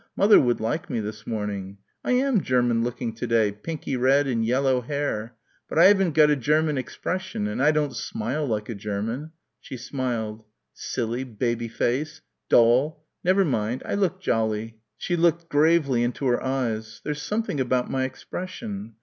Mother would like me this morning. I am German looking to day, pinky red and yellow hair. But I haven't got a German expression and I don't smile like a German.... She smiled.... Silly, baby face! Doll! Never mind. I look jolly. She looked gravely into her eyes.... There's something about my expression."